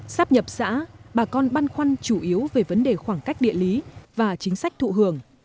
sắp nhập xã bà con băn khoăn chủ yếu về vấn đề khoảng cách địa lý và chính sách thụ hưởng